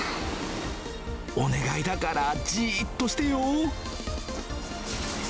お願いだからじっとしてよ。